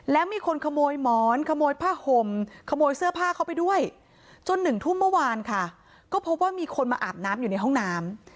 แล้วมีคนขโมยหมอนขโมยผ้าห่มขโมยเสื้อผ้าเข้าไปด้วยจน๑ทุ่มเมื่อวานค่ะก็พบว่ามีคนมาอาบน้ำอยู่ในห้องน้ำ